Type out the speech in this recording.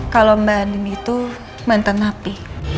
kalau mbak andi itu mantan api